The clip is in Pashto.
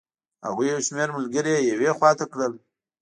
هغوی یو شمېر ملګري یې یوې خوا ته کړل.